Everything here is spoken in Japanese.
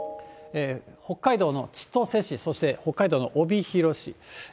北海道の千歳市、そして北海道の帯広市。